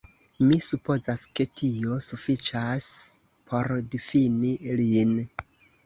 Mi supozas ke tio sufiĉas por difini lin".